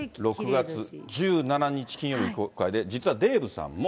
６月１７日金曜日に公開で、実はデーブさんも。